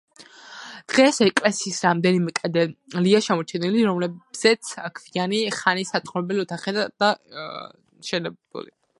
დღეს ეკლესიის რამდენიმე კედელია შემორჩენილი, რომლებზეც გვიანი ხანის საცხოვრებელი ოთახია და შენებული.